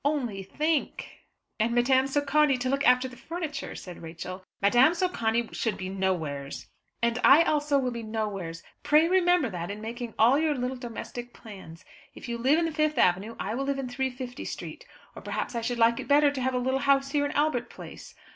Only think!" "And Madame Socani to look after the furniture!" said Rachel. "Madame Socani should be nowheres." "And I also will be nowheres. Pray remember that in making all your little domestic plans. If you live in the Fifth Avenue, I will live in 350 Street; or perhaps I should like it better to have a little house here in Albert Place.